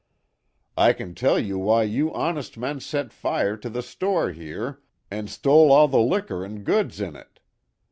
I can tell you why you honest men set fire to the store here, and stole all the liquor and goods in it.